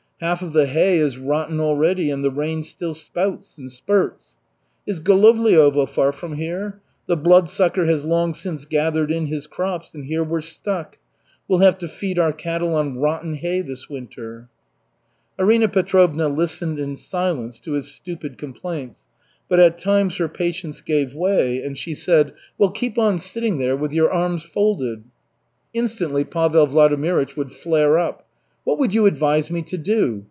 Half of the hay is rotten already, and the rain still spouts and spurts. Is Golovliovo far from here? The Bloodsucker has long since gathered in his crops, and here we're stuck. We'll have to feed our cattle on rotten hay this winter." Arina Petrovna listened in silence to his stupid complaints, but at times her patience gave way and she said: "Well, keep on sitting there with your arms folded." Instantly Pavel Vladimirych would flare up. "What would you advise me to do?